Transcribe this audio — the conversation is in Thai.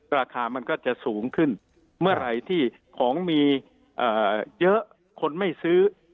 ราคามันก็จะสูงขึ้นเมื่อไหร่ที่ของมีเยอะคนไม่ซื้อ